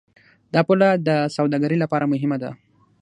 دا پوله د سوداګرۍ لپاره مهمه ده.